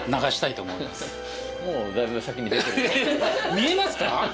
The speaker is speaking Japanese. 見えますか？